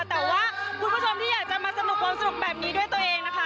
แต่ว่าคุณผู้ชมที่อยากจะมาสนุกความสนุกแบบนี้ด้วยตัวเองนะคะ